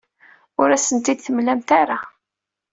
Ur asen-t-id-temlamt ara.